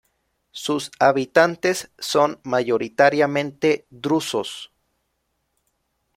Sus habitantes son mayoritariamente drusos.